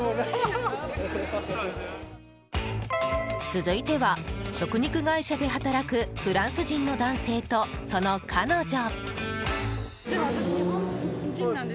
続いては食肉会社で働くフランス人の男性とその彼女。